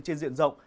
trên diện rộng